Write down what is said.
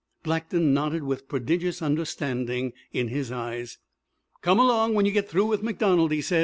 Blackton nodded with prodigious understanding in his eyes. "Come along when you get through with MacDonald," he said.